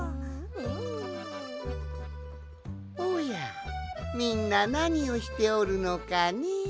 おやみんななにをしておるのかね？